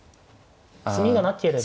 詰みがなければ。